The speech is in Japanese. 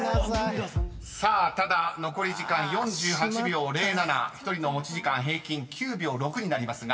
［さあただ残り時間４８秒０７］［１人の持ち時間平均９秒６になりますが］